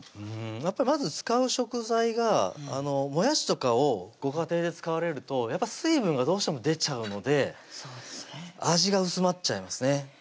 やっぱりまず使う食材がもやしとかをご家庭で使われるとやっぱり水分がどうしても出ちゃうので味が薄まっちゃいますね